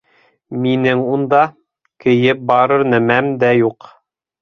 Минең унда... кейеп барыр нәмәм дә юҡ...